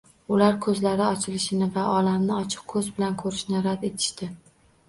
Ular ko‘zlari ochilishini va olamni ochiq ko‘z bilan ko‘rishni rad etishdi.